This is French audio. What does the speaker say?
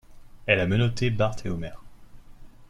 Elle a menotté Bart et Homer.